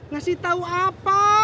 ngasih tau apa